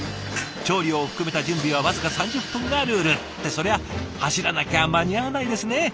調理を含めた準備は僅か３０分がルール。ってそりゃあ走らなきゃ間に合わないですね！